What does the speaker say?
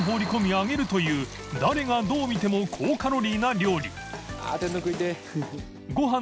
↓蟾Ⅳ揚げるというどう見ても高カロリーな料理磴